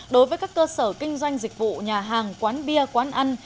đối với các cơ sở kinh doanh dịch vụ nhà hàng quán bia quán ăn